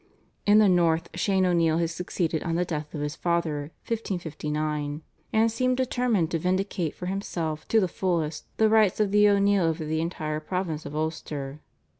In the North Shane O'Neill had succeeded on the death of his father (1559), and seemed determined to vindicate for himself to the fullest the rights of the O'Neill over the entire province of Ulster.